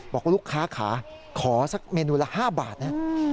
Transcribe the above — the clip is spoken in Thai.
บอกว่าลูกค้าขอสักเมนูละ๕บาทนะครับ